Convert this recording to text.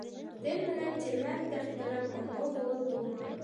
Тел менән тирмән тарттырып, онло булып булмай.